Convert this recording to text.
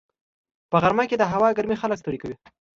په غرمه کې د هوا ګرمي خلک ستړي کوي